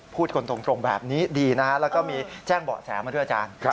พูดคนตรงแบบนี้ดีนะแล้วก็มีแจ้งเบาะแสมาด้วยอาจารย์